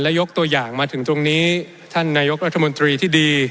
ยกตัวอย่างมาถึงตรงนี้ท่านนายกรัฐมนตรีที่ดี